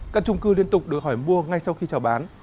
căn trung cư liên tục được hỏi mua ngay sau khi trào bán